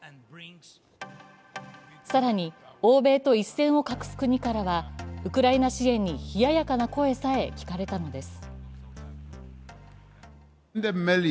更に欧米と一線を画す国からは、ウクライナ支援に冷ややかな声さえ聞かれたのです。